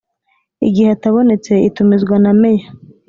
Igihe atabonetse itumizwa na meya